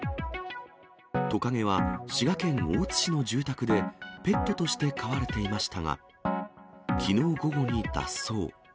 トカゲは滋賀県大津市の住宅でペットとして飼われていましたが、きのう午後に脱走。